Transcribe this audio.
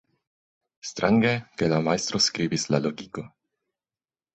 Strange, ke la majstro skribis la logiko.